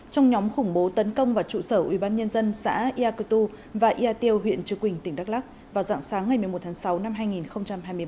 trong nhóm khủng bố tấn công vào trụ sở ủy ban nhân dân xã iakutu và iatio huyện trừ quỳnh tỉnh đắk lắc vào dạng sáng ngày một mươi một tháng sáu năm hai nghìn hai mươi ba